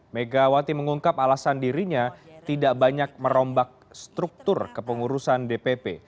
megawati mengungkap alasan dirinya tidak banyak merombak struktur kepengurusan dpp